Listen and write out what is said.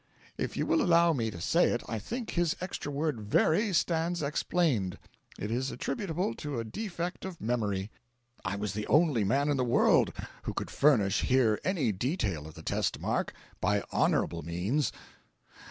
If you will allow me to say it, I think his extra word 'VERY' stands explained: it is attributable to a defect of memory. I was the only man in the world who could furnish here any detail of the test mark by HONOURABLE means.